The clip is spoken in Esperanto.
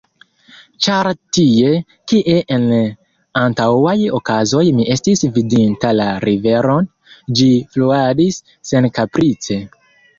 Ĉar tie, kie en antaŭaj okazoj mi estis vidinta la riveron, ĝi fluadis senkaprice.